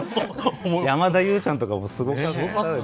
山田優ちゃんとかもすごかった。